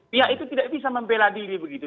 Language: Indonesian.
pihak itu tidak bisa membela diri begitu